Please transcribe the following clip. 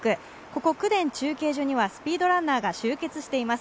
ここ、公田中継所にはスピードランナーが集結しています。